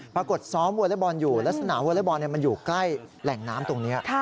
ซ้อมวอเล็กบอลอยู่ลักษณะวอเล็กบอลมันอยู่ใกล้แหล่งน้ำตรงนี้